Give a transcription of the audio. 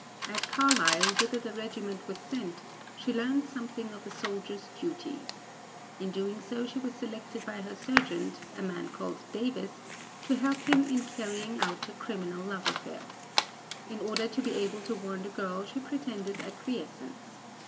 At Carlisle, whither the regiment was sent she learned something of a soldier's duties. In doing so she was selected by her sergeant, a man called Davis, to help him in carrying out a criminal love affair. In order to be able to warn the girl she pretended acquiescence.